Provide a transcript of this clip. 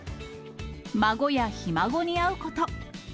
孫やひ孫に会うこと。